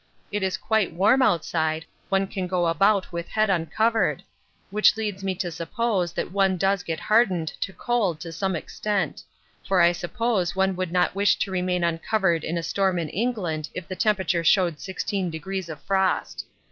It is quite warm outside, one can go about with head uncovered which leads me to suppose that one does get hardened to cold to some extent for I suppose one would not wish to remain uncovered in a storm in England if the temperature showed 16 degrees of frost.